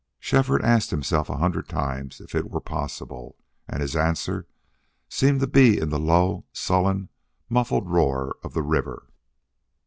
Shefford asked himself a hundred times if it were possible, and his answer seemed to be in the low, sullen, muffled roar of the river.